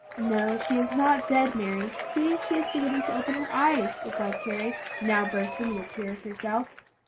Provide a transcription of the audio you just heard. "No, she is not dead, Mary; see, she is beginning to open her eyes," replied Carry, now bursting into tears herself.